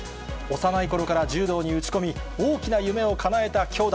幼いころから柔道に打ち込み、大きな夢をかなえた兄妹。